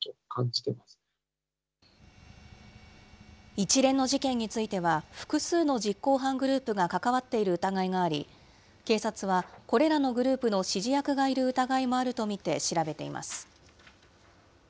一連の事件については複数の実行犯グループが関わっている疑いがあり、警察はこれらのグループの指示役がいる疑いもあると見て調べています。